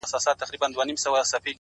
پوهه د وېرې تیاره کموي’